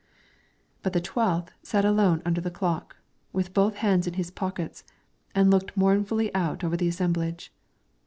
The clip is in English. But the twelfth sat alone under the clock, with both hands in his pockets, and looked mournfully out over the assemblage.